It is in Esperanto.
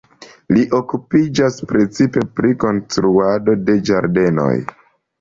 Li okupiĝas precipe pri konstruado de ĝardenoj.